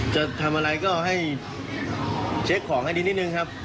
จะทำอะไรก็ให้เช็คของให้ดีนิดนึงครับ